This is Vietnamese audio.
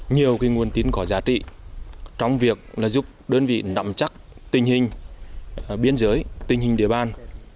nhiều nguồn tin có giá trị trong việc giúp đơn vị nắm chắc tình hình biên giới tình hình địa bàn